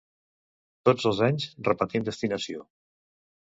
Tots els anys repetim destinació.